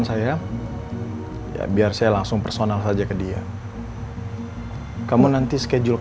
saya cek nomornya siapa tahu